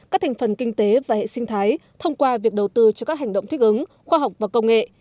các thành phần kinh tế và hệ sinh thái thông qua việc đầu tư cho các hành động thích ứng khoa học và công nghệ